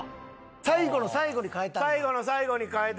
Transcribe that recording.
最後の最後に変えたんだ。